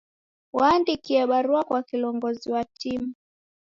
W'aandikie barua kwa kilongozi wa timu.